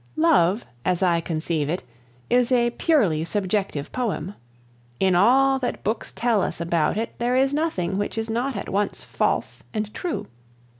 Love, as I conceive it, is a purely subjective poem. In all that books tell us about it, there is nothing which is not at once false and true.